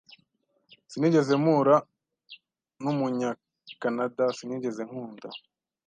Sinigeze mpura numunyakanada Sinigeze nkunda.